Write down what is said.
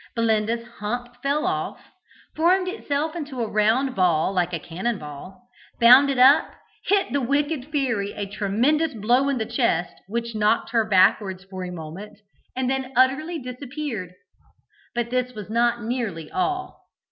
Belinda's hump fell off, formed itself into a round ball like a cannon ball; bounded up, hit the wicked Fairy a tremendous blow in the chest which knocked her backwards for a moment, and then utterly disappeared. But this was not nearly all.